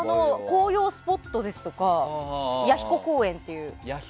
紅葉スポットですとか弥彦公園とか。